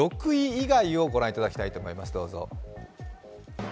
６位以外を御覧いただきたいと思います、どうぞ。